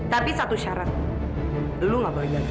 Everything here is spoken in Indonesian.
tapi satu syarat lo nggak boleh jangka